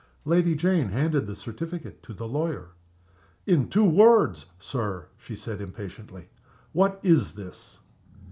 Lady Jane handed the certificate to the lawyer. "In two words, Sir," she said, impatiently, "what is this?"